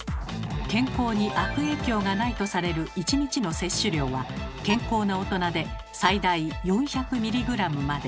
健康に悪影響がないとされる１日の摂取量は健康な大人で最大４００ｍｇまで。